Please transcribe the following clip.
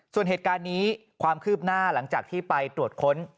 ส่วนเหตุการณ์นี้ความคืบหน้าหลังจากที่ไปตรวจค้น